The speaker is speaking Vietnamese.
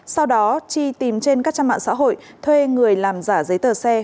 sau đó chi tìm trên các trang mạng xã hội thuê người làm giả giấy tờ xe